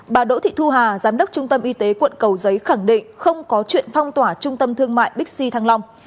bà đỗ thị thu hà giám đốc trung tâm y tế quận cầu giấy khẳng định không có chuyện phong tỏa trung tâm thương mại bixi thăng long